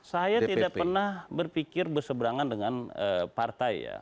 saya tidak pernah berpikir berseberangan dengan partai ya